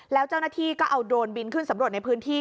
แล้วเจ้าหน้าที่ก็เอาโดรนบินขึ้นสำรวจในพื้นที่